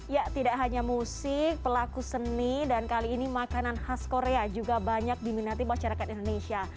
ya tidak hanya musik pelaku seni dan kali ini makanan khas korea juga banyak diminati masyarakat indonesia